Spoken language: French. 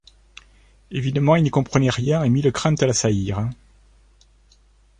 Évidemment, il n’y comprenait rien, et mille craintes l’assaillirent.